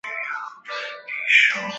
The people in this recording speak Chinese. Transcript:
嘉靖甲子解元。